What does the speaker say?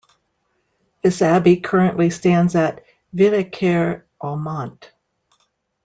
This Abbey currently stands at Villequier-Aumont.